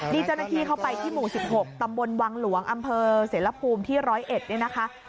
นี่เจ้าหน้าที่เข้าไปที่หมู่๑๖ตำบลวังหลวงอำเภอเสรภูมิที่๑๐๑เนี่ยนะคะ